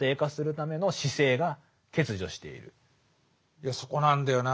いやそこなんだよな。